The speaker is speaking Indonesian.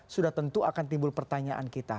sudah tentu akan timbul pertanyaan kita